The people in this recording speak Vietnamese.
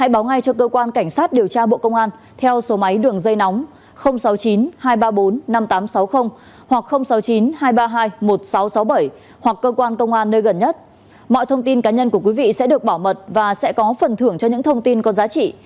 pháp luật sẽ được bảo mật và sẽ có phần thưởng cho những thông tin có giá trị